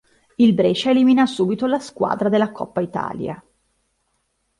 Il Brescia elimina subito la squadra dalla Coppa Italia.